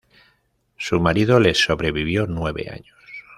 Su marido le sobrevivió nueve años.